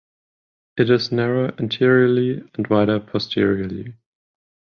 It is narrow anteriorly and wider posteriorly.